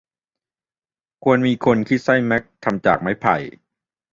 ควรมีคนคิดไส้แม็กทำจากไม้ไผ่